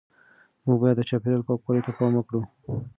موږ باید د چاپیریال پاکوالي ته پام وکړو.